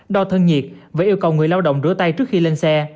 đo thân nhiệt và yêu cầu người lao động rửa tay trước khi lên xe